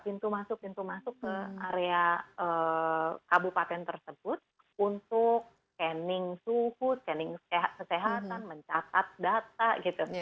pintu masuk pintu masuk ke area kabupaten tersebut untuk scanning suhu canning kesehatan mencatat data gitu